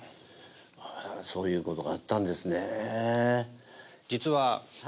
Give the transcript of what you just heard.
そういうことがあったんですねぇ